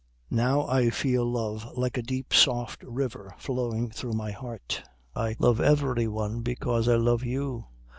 Now I feel love like a deep soft river flowing through my heart. I love every one because I love you.